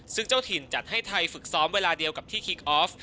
ซึ่งเจ้าถิ่นจัดให้ไทยฝึกซ้อมเวลาเดียวกับที่คิกออฟ